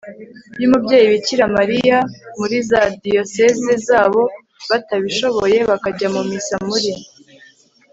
y'umubyeyi bikira mariya muri za diyosezi zabo, abatabishoboye bakajya mu missa muri